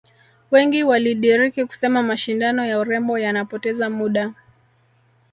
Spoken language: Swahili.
Wengi walidiriki kusema mashindano ya urembo yanapoteza muda